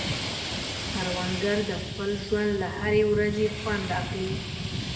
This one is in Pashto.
کروندګر د خپل ژوند له هرې ورځې خوند اخلي